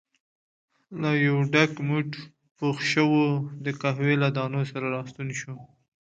له یو ډک موټ پخ شوو د قهوې له دانو سره راستون شو.